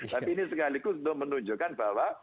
tapi ini sekaligus untuk menunjukkan bahwa